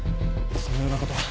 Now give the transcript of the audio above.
そのようなことは。